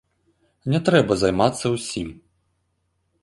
Не трэба займацца ўсім.